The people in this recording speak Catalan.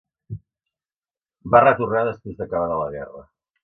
Va retornar després d'acabada la guerra.